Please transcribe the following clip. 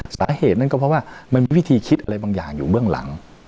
สาเหตุนั้นก็เพราะว่ามันมีวิธีคิดอะไรบางอย่างอยู่เบื้องหลัง